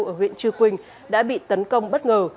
ở huyện chư quynh đã bị tấn công bất ngờ